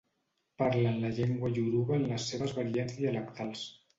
Parlen la llengua ioruba en les seves variants dialectals.